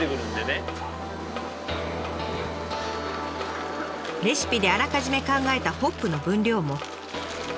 レシピであらかじめ考えたホップの分量も。